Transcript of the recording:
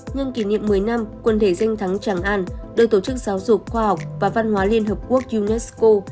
nhân kỷ niệm một mươi năm quân thể danh thắng tràng an được tổ chức giáo dục khoa học và văn hóa liên hợp quốc unesco